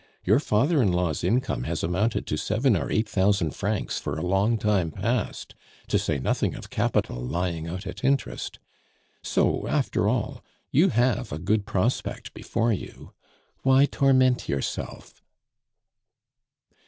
Your father in law's income has amounted to seven or eight thousand francs for a long time past, to say nothing of capital lying out at interest. So, after all, you have a good prospect before you. Why torment yourself?"